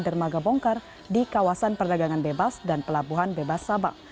dermaga bongkar di kawasan perdagangan bebas dan pelabuhan bebas sabang